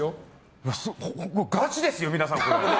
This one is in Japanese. ガチですよ、皆さん。